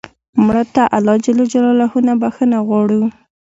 مړه ته الله ج نه بخښنه غواړو